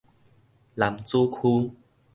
楠梓區